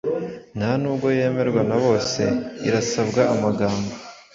Nta nubwo yemerwa na bose irasabwa Amagambo